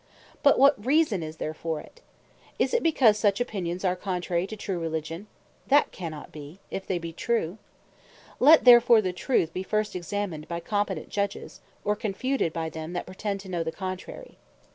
But what reason is there for it? Is it because such opinions are contrary to true Religion? that cannot be, if they be true. Let therefore the truth be first examined by competent Judges, or confuted by them that pretend to know the contrary.